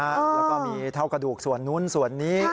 แล้วก็มีเท่ากระดูกส่วนนู้นส่วนนี้